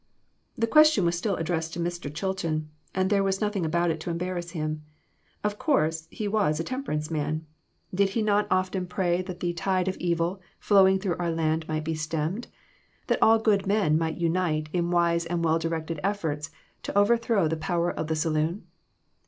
The question was still addressed to Mr. Chilton, and there was nothing about it to embarrass him. Of course, he was a temperance man. Did he 32O EMBARRASSING QUESTIONS. not often pray that the "tide of evil flowing through our land might be stemmed"; that all good men might unite in "wise and well directed efforts " to overthrow the power of the saloon